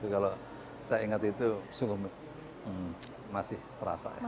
kalau saya ingat itu sungguh masih terasa ya